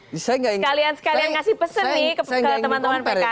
kalian kalian kasih pesan nih ke teman teman pks